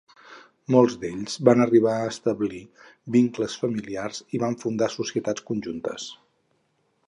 Molts d'ells van arribar a establir vincles familiars i van fundar societats conjuntes.